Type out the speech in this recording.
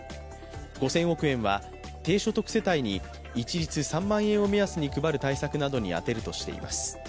５０００億円は低所得世帯に一律３万円を目安に配る対策などに充てるとしています。